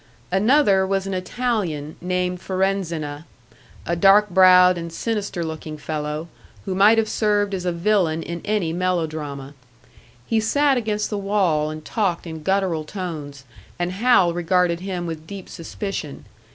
Another was an Italian, named Farenzena; a dark browed and sinister looking fellow, who might have served as a villain in any melodrama. He sat against the wall and talked in guttural tones, and Hal regarded him with deep suspicion.